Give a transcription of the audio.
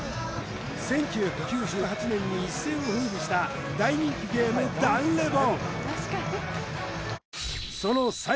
１９９８年に一世を風靡した大人気ゲームダンレボ！